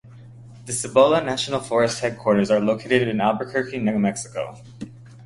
The Cibola National Forest headquarters are located in Albuquerque, New Mexico.